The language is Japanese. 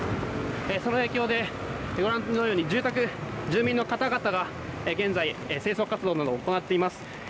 その影響で、ご覧のように住宅住民の方々が現在、清掃活動などを行っています。